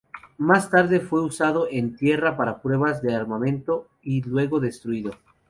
Más tarde fue usado, en tierra, para pruebas de armamento, y luego, destruido.